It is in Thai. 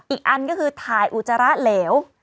อีกอันก็คือถ่ายอุจจาระเหลว